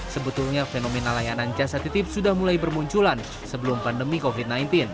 sebetulnya fenomena layanan jasa titip sudah mulai bermunculan sebelum pandemi covid sembilan belas